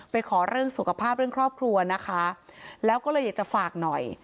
ขอเรื่องสุขภาพเรื่องครอบครัวนะคะแล้วก็เลยอยากจะฝากหน่อย